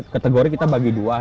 kategori kita bagi dua